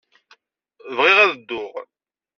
Bɣiɣ ad dduɣ.